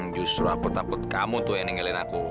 justru apet apet kamu tuh yang ninggalin aku